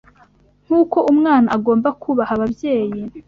Nk’uko umwana agomba kubaha ababyeyi